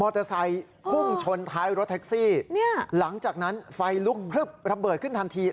เตอร์ไซค์พุ่งชนท้ายรถแท็กซี่หลังจากนั้นไฟลุกพลึบระเบิดขึ้นทันที